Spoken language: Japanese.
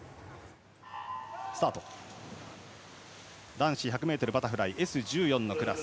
男子１００ｍバタフライＳ１４のクラス。